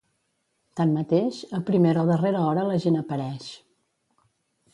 Tanmateix, a primera o darrera hora la gent apareix.